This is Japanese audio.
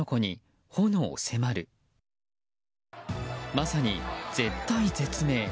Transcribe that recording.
まさに絶体絶命。